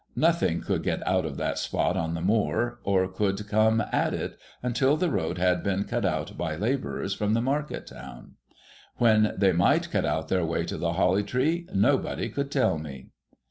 Nothing could get out of that spot on the moor, or could come at it, until the road had been cut out by labourers from the market town. When they might cut their way to the Holly Tree nobody could tell me.